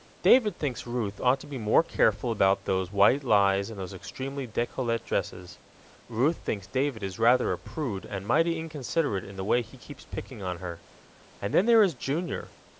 David thinks Ruth ought to be more careful about those white lies and those extremely décolleté dresses; Ruth thinks David is rather a prude and mighty inconsiderate in the way he keeps picking on her. And then there is Junior.